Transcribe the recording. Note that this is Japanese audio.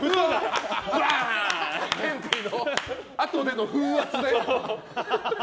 ケンティーのあとでの風圧で。